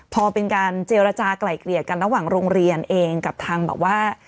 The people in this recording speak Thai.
พอเป็นการเจรจากลายเกลี่ยกันระหว่างโรงเรียนเองกับทางแบบว่า